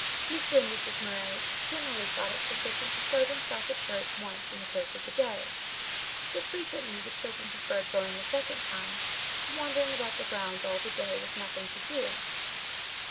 Mr. and Mrs. Murray generally thought it sufficient to show themselves at church once in the course of the day; but frequently the children preferred going a second time to wandering about the grounds all the day with nothing to do.